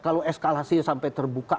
kalau eskalasi sampai terbuka